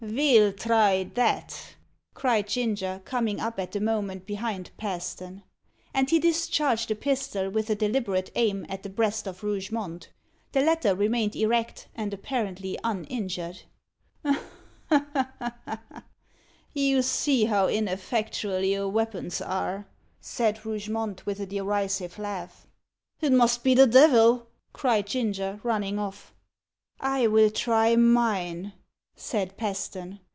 "Ve'll try that!" cried Ginger, coming up at the moment behind Paston. And he discharged a pistol, with a deliberate aim, at the breast of Rougemont. The latter remained erect, and apparently uninjured. "You see how ineffectual your weapons are," said Rougemont, with a derisive laugh. "It must be the devil!" cried Ginger, running off. "I will try mine," said Paston.